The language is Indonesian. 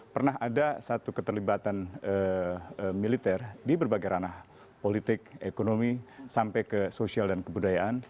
pernah ada satu keterlibatan militer di berbagai ranah politik ekonomi sampai ke sosial dan kebudayaan